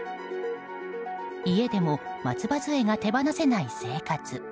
家でも松葉づえが手放せない生活。